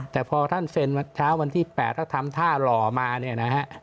แต่พอท่านเซ็นเช้าวันที่๘ถ้าทำท่าหล่อมาเนี่ยนะฮะ